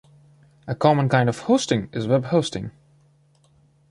A common kind of hosting is web hosting.